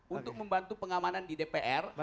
untuk membantu pengamanan di dpr